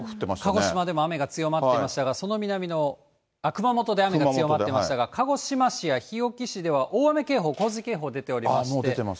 鹿児島でも雨が強まっていましたが、熊本で雨が強まっていましたが、鹿児島市や日置市では大雨警報、洪水警報出ておりまして。